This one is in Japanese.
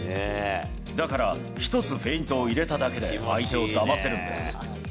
だから１つフェイントを入れただけで、相手をだませるんです。